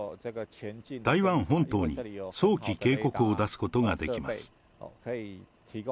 台湾本島に早期警告を出すことができます。